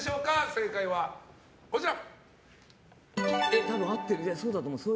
正解はこちら。